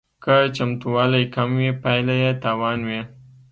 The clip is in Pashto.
که چمتووالی کم وي پایله یې تاوان وي